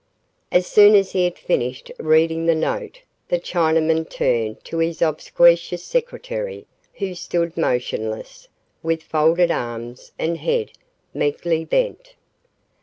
As soon as he had finished reading the note, the Chinaman turned to his obsequious secretary, who stood motionless, with folded arms and head meekly bent.